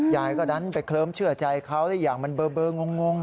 ยายก็ดันไปเคลิ้มเชื่อใจเขาและอีกอย่างมันเบอร์งง